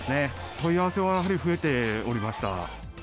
問い合わせはやはり増えておりました。